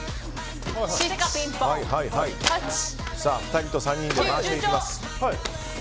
２人と３人で回していきます。